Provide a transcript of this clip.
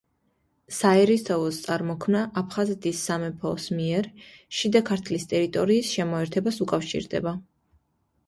საერისთავოს წარმოქმნა აფხაზეთის სამეფოს მიერ შიდა ქართლის ტერიტორიის შემოერთებას უკავშირდება.